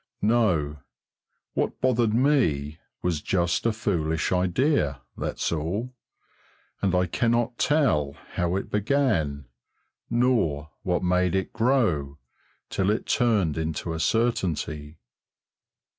No. What bothered me was just a foolish idea, that's all, and I cannot tell how it began, nor what made it grow till it turned into a certainty.